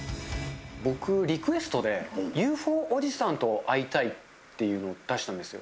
僕、リクエストで、ＵＦＯおじさんと会いたいっていうのを出したんですよ。